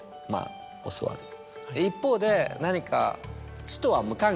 一方で何か。